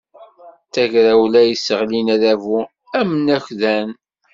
D tagrawla i yesseɣlin adabu amnekdan.